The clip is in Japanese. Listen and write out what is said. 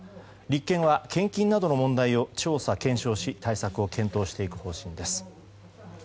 立憲は献金などの問題を調査・検証し対策を検討していく方針です。